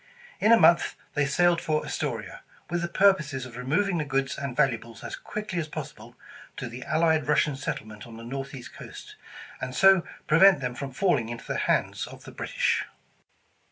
In a month they sailed for Astoria, with the purpose of removing the goods and valuables as quickly as possible, to the allied Russian settlement on the Northeast coast, and so prevent them from falling into the hands of tlie British.